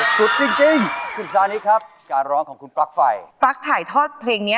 สุดจริง